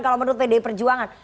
kalau menurut pd perjuangan